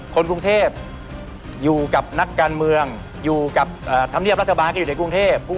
คนกรุงเทพอยู่กับนักการเมืองอยู่กับธรรมเนียบรัฐบาลก็อยู่ในกรุงเทพ